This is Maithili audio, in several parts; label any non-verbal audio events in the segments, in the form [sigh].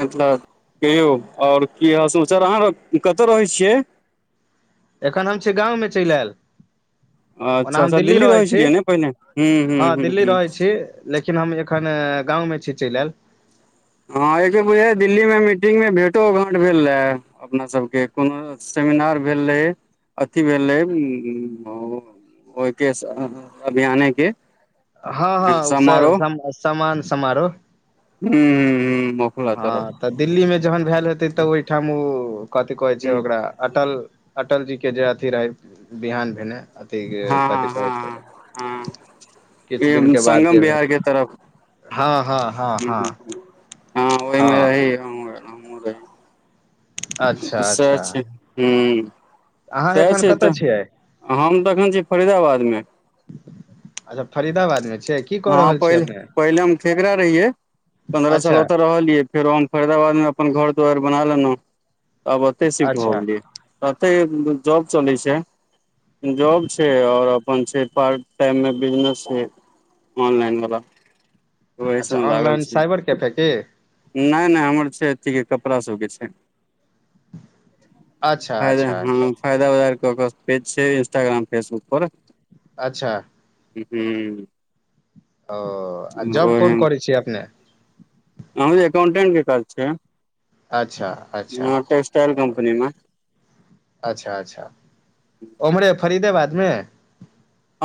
अ कहियौ आओर की हाल समाचार अहाँ कतय रहै छियै एखन हम छीयै गाँवमे चलि आयल ओना अच्छा हम अच्छा दिल्ली रहै छी छलियै ने पहिने हूँ हूँ हँ हूँ दिल्ली हूँ रहै छी लेकिन हम एखन गाँवमें छी चलि आयल हँ एको बुझा दिल्लीमे मीटिंगगमे भेटोघाँट भेल रहै अपना सबके कोनो सेमिनार भेलै अथी भेलै ओहिके अभियाने के हँ हँ समान समारोह हू ह [unintelligible] हँ तऽ दिल्ली में जहन भेल हेते। तऽ ओहिठाम ओ कथि कहै छै। हूँ ओकरा अटल। अटल जी के जे अथी रहै। बिहान भेने अथी हँ हँ कथि कहै छै। हँ हँ ई किछु दिनक के बाद संगम जेबै बिहारके तरफ हँ -हँ- हँ- हूँ हँ हूँ हूँ हँ ओहिम र हँ ही। अच्छा तसैह अच्छा छै। हूँ। अहाँ सएह एखन छै कतय तऽ। छियै हम तखन छी फरीदाबादमे। अच्छा फरीदाबादमे छै। हँ पहिल पहिले। हम ठेकरा रहिये पंन्द्रह साल अच्छा ओतऽ रहलिये। फेरो हम फरीदाबादमे अपन घर दुआरि बना लेलहुँ। आब ओते शिफ्ट भऽ अच्छा गेलै। तते जॉब चलै छै। जॉब छै और अपन छै। पार्ट टाइम मे बिजनेस छै। ऑनलाइन वाला। ओहि अच्छा ‌ऑनलाइन सइबर कैफे की। नय नय हमर छै अथीके कपड़ासबके छै। अच्छा फदा अच्छा हँ अच्छा फायदा उ ओकर पेज छै। इंस्टाग्राम फेसबुक पर अच्छा। ह हू। ओ आ जब कोन करै छियै अपने। हम एकाउंटेंट के काज छै। अच्छा अच्छा य टेक्सटाइल ओ कम्पनी में। अच्छा अच्छा ओमरे फरीदेबाद मे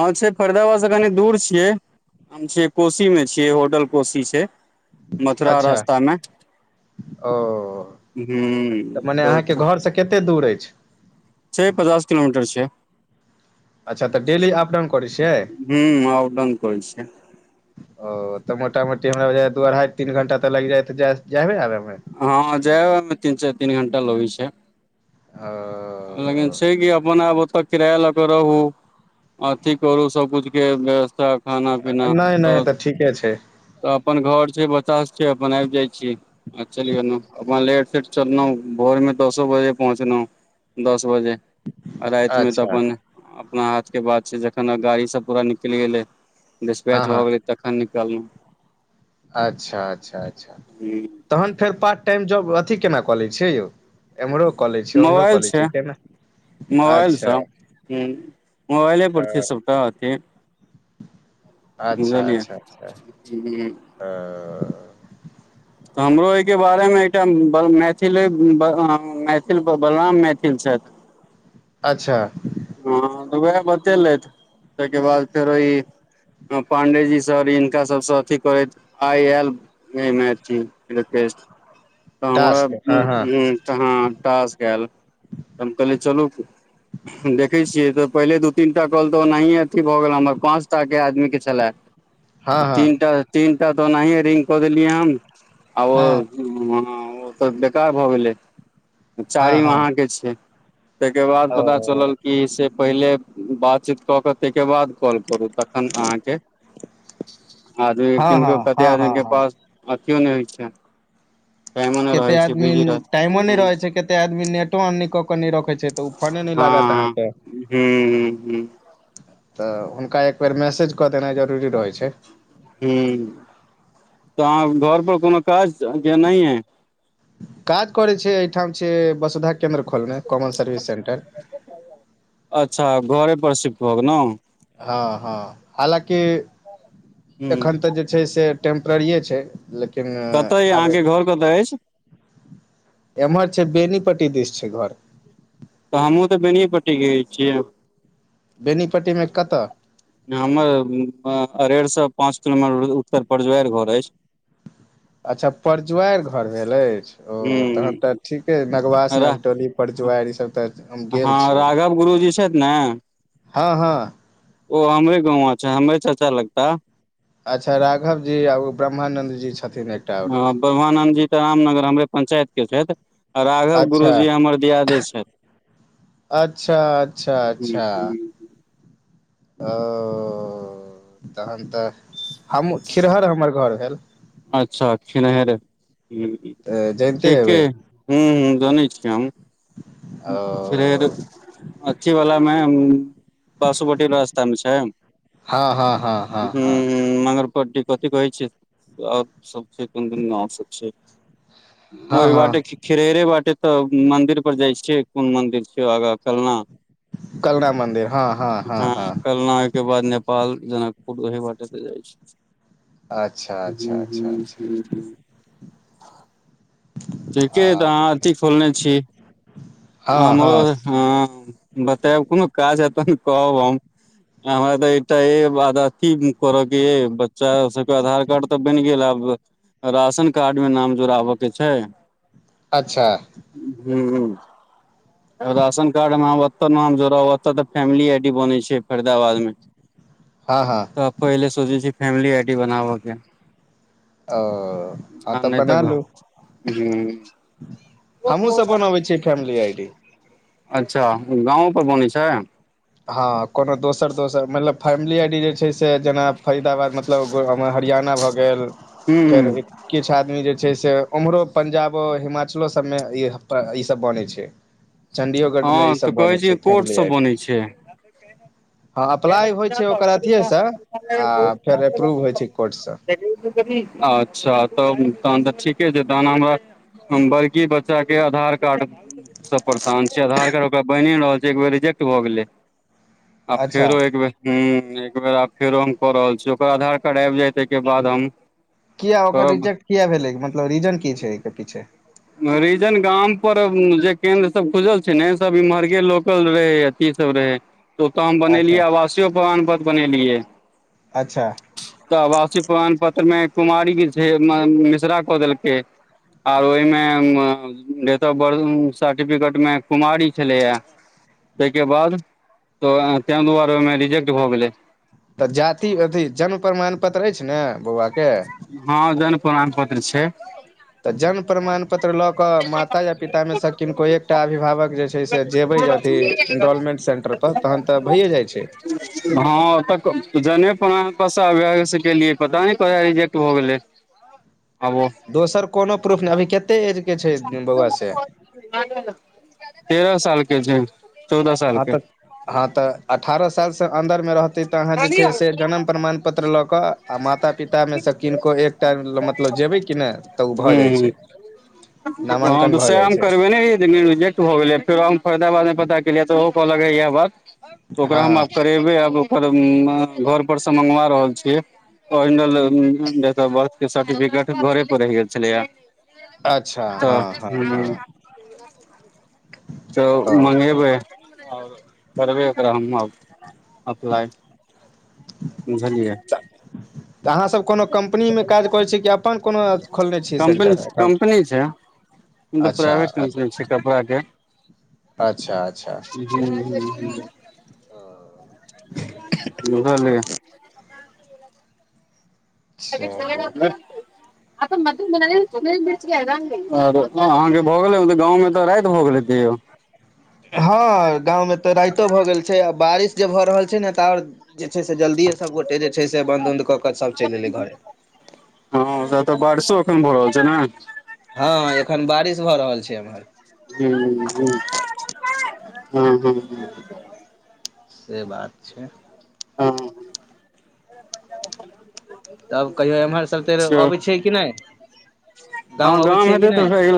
हँ छै फरीदाबाद से कनी दूर छियै हम छियै कोशी मे छियै होटल कोशी छै मथुरा अच्छा रस्तामे ओ तऽ मने हुॅं त अहाँके घरसँ कतेक दूर अछि छै पचास किलोमीटर छै अच्छा तऽ डेली अप डाउन करै छियै हुँ अप डाउन करै छियै ओ तऽ मोटा मोटी हमराज बझायै दू अढ़ाइ तीन घंटा तऽ लाइग जाइत हेतै जायबे आबेमे हँ जाओ अबै मे तीन चैर तीन घण्टा लगै छै आ लेकिन छै कि अपन आब ओतऽ किराया लऽ के रहू अथी करु सबकुछ के व्यवस्था खाना पीना नहि त नहि तऽ ठीके छै तऽ अपन घर छै बतास छै त‌अपन आबि जाइ छीयै आ चलि गेलहु अपना लेट सेट चलौ भोरमे दसो बजे पहुँचलहुँ दस बजे आ राइत मे तऽ अच्छा अपन अपना हाथ के बात छै जखन गाड़ी सब पूरा निकैल गेलै डिस्पैच हँ भ हँ गेलै तखन निकललौ अच्छा अच्छा अच्छा हुॅं तहन फेर पार्ट टाइम जॉब अथी केना कऽ लै छियै यौ एमहरो कलै छियै ओम्हरो कलै छियै केना अच्छा मोबाइलसँ‌ हुॅं मोबाइलेपर अ छै सभटा अथी अच्छा बुझलियै अच्छा अच्छा हूँ ओ तऽ हमरो एहिके बारेमे एकटा ब मैथिले ‌‌- मैथिल बलराम मैथिल छैथ अच्छा हँ तऽ उएह बतेलैथ तैके बाद फेरो ईऽ पांडे जी सर हिनका सबसँ अथी करैत आइ एल [unintelligible] टास्क टास्क हँ हँ केएल तऽ हम कहलिय चलू देख देखै छियै तऽ पहिले दू तीन टा कॉल तऽ ओनाहियए अथी भऽ गेल हमर पाँच टा के आदमी के छले हँ हँ तीन- तीनटा तऽ ओनाहिए रिंग कऽ देलियै हम आ ओ हँ ह ओ तऽ बेकार भऽ गेलै हँ चारिम हँ अहाँके छै तैके बाद ओ पता चलल कि से पहिले बातचीत कऽ कऽ तैके बाद कॉल करू तख- -न अहाँके आदमी हँ किनको हँ कते हँ आदमी हँ के हँ पास अथियो नै होइ छै टाइमो नहि केते रहै छै आदमी बिजी रह हँ टाइमो नै रहे छै कते आदमी नेटो ओन नै क के नै रखे छै से तऽ ओ फने नै लागत हूँ अहाँके हूँ तऽ हुनका एक बेेर मैसेज कऽ देनाइ जरूरी रहै छै हुॅं तऽ अहाँ घर पर कोनो काज [unintelligible] है काज करै छै एहिठाम छिए वसुधा केन्द्र खोलने कॉमन सर्विस सेंटर अच्छा घरे पर सिफ्ट भऽ गेनौ हँ हँ हालाँकि हूँ एखन तऽ जे छै से टेंपरेरीए छै लेकिन कतऽ अ हबे अहाँके घर कतऽ अछि एम्हर छै बेनी पट्टी दिश छै घर तऽ हमहूँ तऽ बेनियए पट्टी गे छियै बेनीपट्टीमे कतऽ हमर अरेरसँ पाँच किलोमीटर उत्तर परजुआइर घर अछि [inaudible] अच्छा परजुआइर घर भेल अछि ओ तहन तऽ हूँ ठीके नगवास नवटोली परजुआइर ई सब तऽ हम गेल हँ छी उम्हर राघव गुरुजी छथि ने हँ हँ ओ हमरे गौंआ छै हमरे चच्चा लगता अच्छा राघव जी आ ओ ब्रह्मानन्द जी छथि हँ ब्रह्मानन्दजी तऽ रामनगर हमरे पंचायत के छथि राघव अच्छा गुरुजी हमर दियादे छथि अच्छा अच्छा हूँ अच्छा हूँ ओ तहन तऽ हम खिरहर हमर घर भेल अच्छा खिनहैर हूंम्म तऽ जनिते ठीके हेबै अय हूंम्म हूंम्म जनै छियै ओ हम खिरहैर अथी वला मे बासोपट्टी रास्ता मे छै हँ हँ हँ हँ हूँ हँ मंगरपट्टी कथी कहै छियै और सब छै कोन कोन गाँव सब छै हँ ओहि हँ बाटे खिरहैरे बाटे तऽ मंन्दिर पर जाइ छी छै कोन मंन्दिर छै आगाँ कलना कलना मन्दिर हँ हँ हँ हँ के बाद नेपाल जनकपुर ओहे बाटे तऽ जाइ छियै अच्छा हूंम्म अच्छा अच्छा हूंम्म अच्छा हूंम्म हूंम्म ठीके अय तऽ हँ अहाँ अथी खोलने छी आ हँ हमरो हँ हँ बतायब कोनो काज हैत तहन कहब हम हमरा तऽ एकटा एब अथी करऽ के यै बच्चा सबके आधार कार्ड तऽ बनि गेल आब राशन कार्डमे नाम जोड़ाबऽ के छै अच्छा हूंम्म हूंम्म राशन कार्ड मे आब ओतऽ नाम जोड़ाउ ओत तऽ फैमिली आई डी बनै छै फरीदाबाद मे हँ हँ आब पहिले सोचै छी फैमिली आई डी बनाबऽ के ओ हँ आ नहि तऽ बना घर लू हूंम्म हमहूँ सब [unintelligible] बनबै छियै फैमिली आइडी अच्छा गाँवो पर बनै छै हँ कोनो दोसर दोसर मतलब फैमिली आडी जे छै से जेना फरीदाबाद मतलब मतलब मे हरियाणा भऽ गेल हूँ फेर हूँ किछु आदमी जे छै से उम्हरो पंजाबो हिमाचलो सब मे ई सब बनै छै। चंडीओगढ़ मे हँ इई तऽ सब कहै बनै छियै छै कोर्ट फैमिली सब आई डी बनै छै हँ अप्लाई होइ छै ओकर अथीेये सँ आ फेर अप्रूव होइ छै कोर्ट से। अच्छा तब तहन तऽ ठीके छै ताहन हमरा। हम बड़की बच्चा के आधार कार्ड सब परेशान छै आधार कार्ड ओकरा बनिये नै रहल छै एक बेर रिजेक्ट भऽ गेलै। आ अच्छा फेरो एक बेर हूंम्म एकबेर आब फेरो हम कऽ रहल छी ओकर आधार कार्ड आबि जाय तैके बाद हम। किये ओकर करब रिजेक्ट किये भेलै मतलब रीजन की छै एहि के पीछे। रिजन गाम पर जे केन्द्र सब खुजल छै ने सब इम्हरके लोकल रहैये। की सब रहै तऽ ओतऽ हम अच्छा बनेलियै आवासीय प्रमाणपत्र बनेलियै। अच्छा तऽ अवासीय प्रमाण पत्र मे कुमारी भी छै मिश्रा कऽ देलकै। आर ओइमे डेट ऑफ बर्थ सर्टिपिकट मे कुमारी छलैय ताइके बाद ताहि दुआरे ओहिमे रिजेक्ट भऽ गेलै। तऽ जाति अथी जन्म प्रमाण पत्र अछि ने बौआके। हँ जन प्रमाम पत्र छैय। तऽ जन्म प्रमाण पत्र लऽ कऽ माता या पितामे सँ किनको एकटा अभिभावक जे छैय से जेबै अथी डोलमेंट सेन्टर पर तहन तऽ भइए जाइ छैय। हँ तऽ जने प्रमाणपत्र स अगे अगे से केलिए पता नै रिजेक्ट भ गेलै आबो। दोसर कोनो प्रूफ नै अभी कतेक एज के छै बौआ से तेरह साल के छैय। हँ तऽ हँ तऽ अठारह सालसँ अन्दरमे रहतै त अहाँ जे छैय से जन्म प्रमाण पत्र लऽ क आ माता पिता मे स किनको एक टाम मतलब जेबै कि ने तऽ ओ भऽ हूँ जाइ छैय। हूँ हँ तऽ सएह हम करबे ने जे रिजेक्ट हो गेलै फेरो हम फ़रिदाबादमे पता केलियै तऽ ओहो कहलकै इह बात त ओकरा आब हम हँ करेबै आब। घर पर स मंगवा रहल छीयै original date of birth certificate घरे पर रहि गेल छलैया अच्छा हँ हँ तऽ हू। हँ तऽ ओ मंगेबै करबै ओकरा हम आब। अपलाइ बुझलियै। तऽ अहाँसभ कोनो कम्पनी मे काज करै छियै कि अपन कोनो खोलने छियै सेन्टर अकाउंट। मत अच्छा प्राइवेट कम्पनी अच्छा छैय कपड़ा के। अच्छा अच्छा ह ओ ह ह बुझलहि। [inaudible] चलू त अहां के भगेलै गांव मे त राति भऽ गेल हेतै यौ। हँ गाँवमे तऽ राइतो भऽ गेल छैय आ बारिश जे भऽ रहल छैय ने तऽ आओर जे छैय से जल्दिए सभगोटे जे छैय से बन्द उन्द कऽ केऽ सभ चलि एयलै घरे। हँ ओतऽ त बारिशो एखन भऽ रहल छैय नाय। हँ एखन बारिश भऽ रहल छैय एम्हर। हू- हू- हँ- हँ- हँ से बात छैय। हँहँ तब कहियो एम्हर सब तैर अबै छियै कि नै। हँ गाँम हेतै तऽ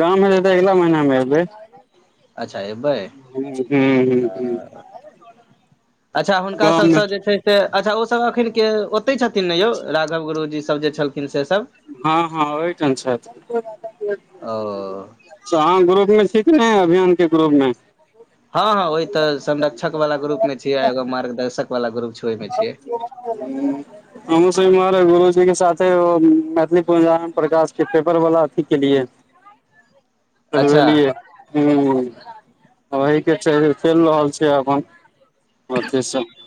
गाँम हेतै तऽ अगिला महीना मे एबै। अच्छा एबै। हु- हु - हु अच्छा हुनका गाममे सबसँ जे छैय। से अच्छा ओ सब अखन के ओतै छथिन ने यौ राघव गुरुजी सब जे छलखिन सब हँ हँ ओहिठम छथि ओ त आहाँ ग्रुप मे छियै कि नै अभियान के ग्रुप मे हँ हँ ओहि त संरक्षक वाल ग्रुप मे छीय एगो मार्गदर्शक वाला ग्रुप छै ओहिमे छियै [unintelligible] हमहु सब इमहर गुरुजी के साथे ओ मैथिली [unintelligible] प्रकाश के पेपर वाला अथी के लिए [inaudible] [unintelligible] हु आब अहि के चैल रहल छै अथी सब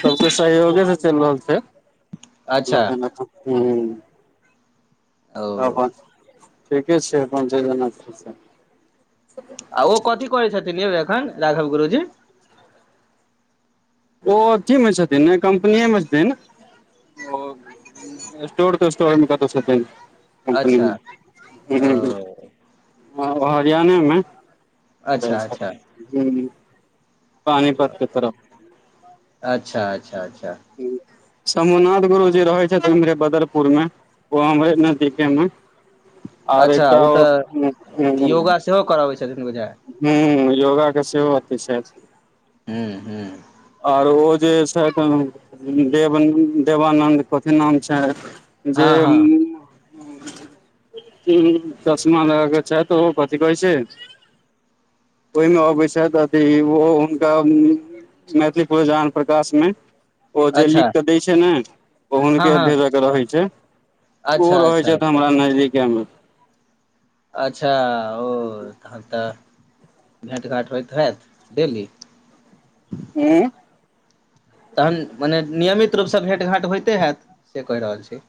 सबक के सहयोग से चलि रहल छै अच्छा लेकिन एखन हू त ओ अपन ठीके छै अपन जे जना छय से आ ओ कथी करै छथिन यौ एखन राघव गुरुजी ओ अथी मे छथिन ने कम्पनिए मे छथिन स्टोर तेस्टोर मे कतो छथिन कंपनी अच्छा मे उ हू हू ओ हाँ ओ हरियाणे मे जाय अच्छा छैथ अच्छा हू पानिपथ के तरफ अच्छा अच्छा अच्छा शंभूनाथ गुरु जी रहै छथिन उमहरे बदरपुर मे ओ हमरे नजदीके मे और अच्छा एकटा ओ तऽ योगा सेहो करबै छथिन बुझा हू योगा के सेहो एथी छैथ हूँ हूँ आर ओ जे छथि देव देवानन्द कथी नाम छैन जे हँ हँ चशमा लगा क छैथ ओहो कथित कहै छैथ ओहिमे अब छैथ अथी ओहो हुनका [unintelligible] मैथिली प्रोग्राम प्रकाश मे ओ जे अच्छा लिख के दैय छै ने ओ हँ हुनके हँ भेजके रहै छै ओहो अच्छा रहै अच्छा छथि अच्छा हमरा नजदीके मे अच्छा ओ तहन तऽ भेँट घाँट होइत हेत डेली उं तहन मने नियमित रूपसँ भेँट घाँट होइते हेत से कहि रहल छी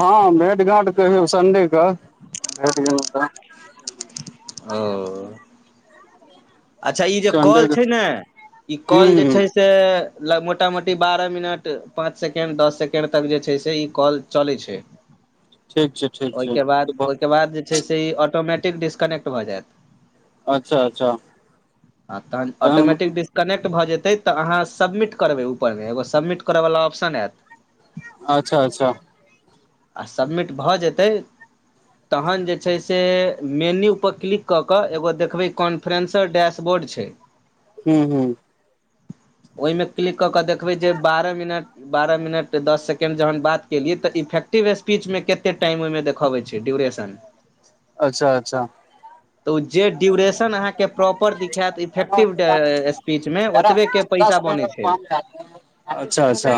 हँ भेट घाँट कहियौ संडे क भेट गेलऊ त ओ अच्छा ई जे संडे कॉल के छै ने ई हूं कॉल जे हूं छै से मोटा मोटी बारह मिनट पाँच सेकेण्ड दस सेकेण्ड तक जे छै से ई कॉल चलै छै ठीक छै ठीक ओय छै के बाद ओय के बाद जे छै से ई ऑटोमेटिक डिस्कनेक्ट भऽ जायत अच्छा अच्छा ह तहन ऑटोमैटिक डीस कनेक्ट भऽ जेतै तऽ अहाँ सबमिट करबै ऊपर मे एगो सबमिट करऽवला ऑप्शन आयत अच्छा अच्छा आ सबमिट भऽ जेतै तहन जे छै से मेन्यू प क्लिक कऽ कऽ एगो देखबै कॉन्फ्रेन्सर डैशबोर्ड छै [inaudible] हू हू ओहिमे क्लिक कऽ क देखबै जे बारह मिनट बारह मिनट दस सेकेंड जहन बात केलियै तऽ इफेक एक्टिभ स्पीच मे केते टाइम ओहिमे देखबै छै ड्यूरेशन अच्छा अच्छा तऽ जे ड्यूरेशन अहाँके प्रॉपर दिखेत इफेक्टिव स्पीचमे ओतबेके [unintelligible] अच्छा अच्छा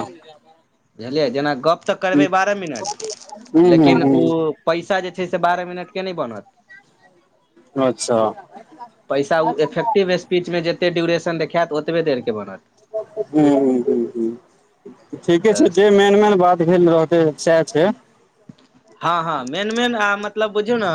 बुझलियै जेना गप तऽ करबै बारह मिनट हूँ लेकिन उ हूँ पैसा जे छै से बारह मिनटके नै बनत अच्छा पैसा उ इफेक्टिव स्पीचमे जेते ड्यूरेशन देखेत ओतबे देरके बनत हूंम्म हूंम्म हूंम्म हूंम्म ठीके छै तऽ जे मेन मेन बात केहेन रहतै सैह छै हँ हँ मेन मेन आ मतलब बुझियौ न